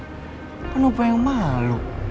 kan opa yang malu